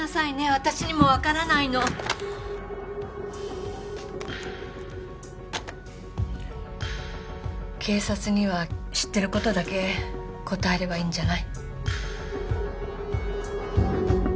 私にも分からないの警察には知ってることだけ答えればいいんじゃない？